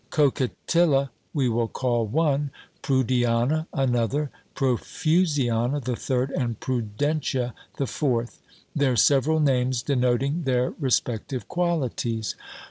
Coquetilla we will call one, Prudiana another, Profusiana the third, and Prudentia the fourth; their several names denoting their respective qualities.